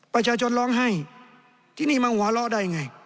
ประชาชนร้องไห้ที่นี่มาหัวเราะได้ไง